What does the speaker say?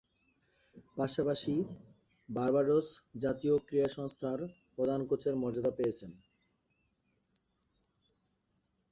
পাশাপাশি, বার্বাডোস জাতীয় ক্রীড়া সংস্থার প্রধান কোচের মর্যাদা পেয়েছেন।